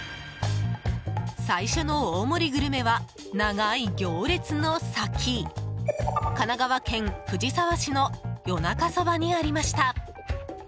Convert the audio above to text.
最初の大盛りグルメは長い行列の先神奈川県藤沢市のよなかそばにありました。